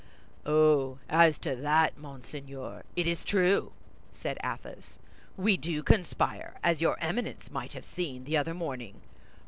"Oh, as to that, Monseigneur, it is true," said Athos; "we do conspire, as your Eminence might have seen the other morning.